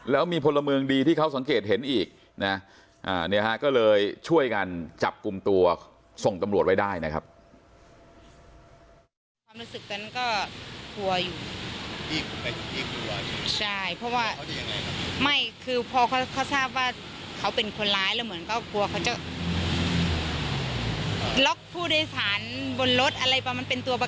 แล้วมีพลเมืองดีที่เขาสังเกตเห็นอีกนะเนี่ยฮะก็เลยช่วยกันจับกลุ่มตัวส่งตำรวจไว้ได้นะครับ